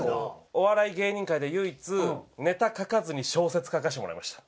お笑い芸人界で唯一ネタ書かずに小説書かせてもらいました。